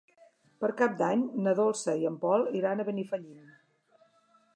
Per Cap d'Any na Dolça i en Pol iran a Benifallim.